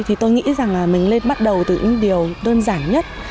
thì tôi nghĩ rằng là mình lên bắt đầu từ những điều đơn giản nhất